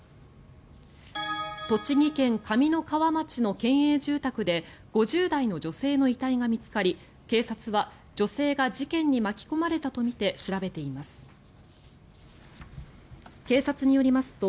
栃木県上三川町の県営住宅で５０代の女性の遺体が見つかり警察は女性が事件に巻き込まれたとみて調べています。